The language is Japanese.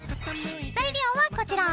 材料はこちら！